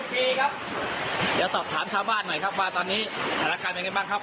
เดี๋ยวตอบถามชาวบ้านหน่อยครับว่าตอนนี้รักการเป็นไงบ้างครับ